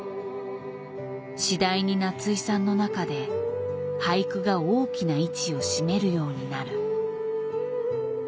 次第に夏井さんの中で俳句が大きな位置を占めるようになる。